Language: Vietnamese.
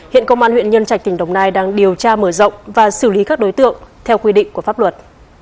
hiện công an huyện nhân trạch tỉnh đồng nai đang điều tra mở rộng và xử lý các đối tượng theo quy định của pháp luật